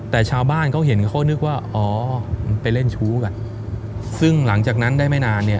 แต่ชาวบ้านเขาเห็นเขานึกว่าอ๋อไปเล่นชู้กันซึ่งหลังจากนั้นได้ไม่นานเนี่ย